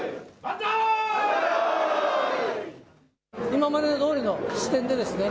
今までのどおりの視点でですね